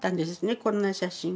こんな写真が。